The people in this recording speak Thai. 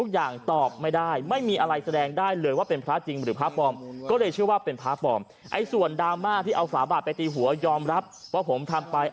ทุกอย่างตอบไม่ได้ไม่มีอะไรแสดงได้เลยว่าเป็นพระจริงหรือพระปำ